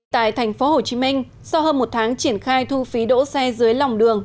tại thành phố hồ chí minh sau hơn một tháng triển khai thu phí đỗ xe dưới lòng đường